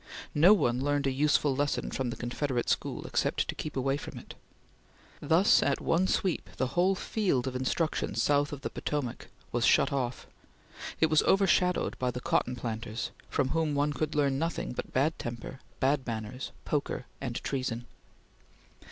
No one learned a useful lesson from the Confederate school except to keep away from it. Thus, at one sweep, the whole field of instruction south of the Potomac was shut off; it was overshadowed by the cotton planters, from whom one could learn nothing but bad temper, bad manners, poker, and treason.